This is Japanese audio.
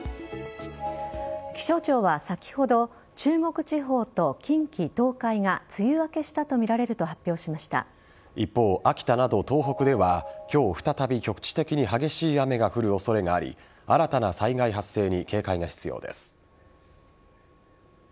気象庁は先ほど中国地方と近畿、東海が梅雨明けしたとみられると一方、秋田など東北では今日再び、局地的に激しい雨が降る恐れがあり新たな災害発生に警戒が必要です。